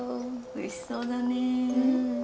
美味しそうだね。